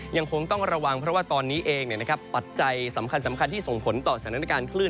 ยังคงต้องระวังเพราะว่าตอนนี้เองปัจจัยสำคัญที่ส่งผลต่อสถานการณ์คลื่น